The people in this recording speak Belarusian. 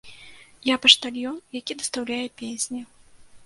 Я паштальён, які дастаўляе песні.